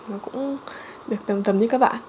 mà cũng được tầm tầm như các bạn